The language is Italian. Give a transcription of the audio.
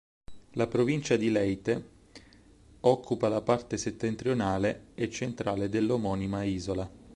La provincia di Leyte occupa la parte settentrionale e centrale dell'omonima isola.